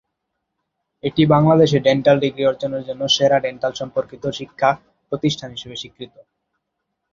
এটি বাংলাদেশে dental degree অর্জনের জন্য সেরা ডেন্টাল সম্পর্কিত শিক্ষা প্রতিষ্ঠান হিসাবে স্বীকৃত।